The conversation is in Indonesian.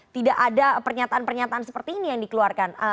tidak ada pernyataan pernyataan seperti ini yang dikeluarkan